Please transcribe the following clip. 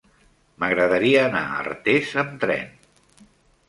M'agradaria anar a Artés amb tren.